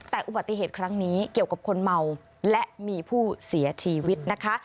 แต่อุบัติเหตุครั้งนี้เกี่ยวกับคนเมาและมีผู้เสียชีวิตนะคะ